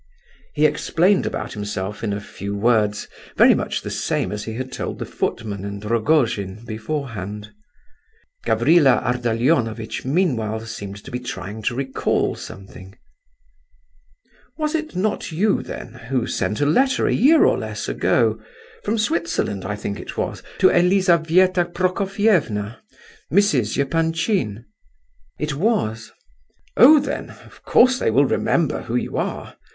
He explained about himself in a few words, very much the same as he had told the footman and Rogojin beforehand. Gavrila Ardalionovitch meanwhile seemed to be trying to recall something. "Was it not you, then, who sent a letter a year or less ago—from Switzerland, I think it was—to Elizabetha Prokofievna (Mrs. Epanchin)?" "It was." "Oh, then, of course they will remember who you are.